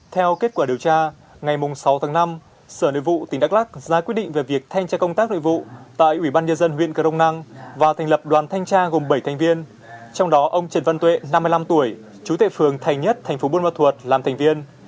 theo kết quả điều tra ngày sáu tháng năm sở nội vụ tỉnh đắk lắc ra quyết định về việc thanh tra công tác nội vụ tại ủy ban nhân dân huyện cờ rông năng và thành lập đoàn thanh tra gồm bảy thành viên trong đó ông trần văn tuệ năm mươi năm tuổi chú tệ phường thành nhất thành phố buôn ma thuột làm thành viên